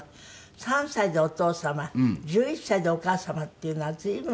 ３歳でお父様１１歳でお母様っていうのは随分。